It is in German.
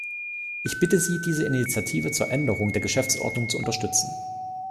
Ich bitte Sie, diese Initiative zur Änderung der Geschäftsordnung zu unterstützen.